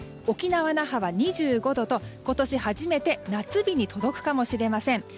沖縄・那覇２５度と今年初めて夏日に届くかもしれません。